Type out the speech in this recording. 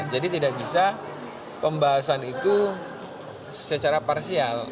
dua ribu delapan belas jadi tidak bisa pembahasan itu secara parsial